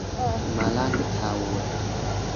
malantaŭe